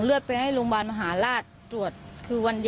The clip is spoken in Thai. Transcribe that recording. และก็หมอให้คำพูดหนูว่า